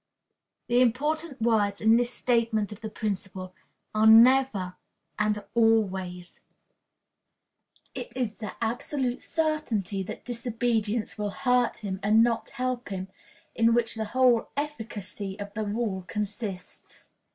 The important words in this statement of the principle are never and always. It is the absolute certainty that disobedience will hurt him, and not help him, in which the whole efficacy of the rule consists.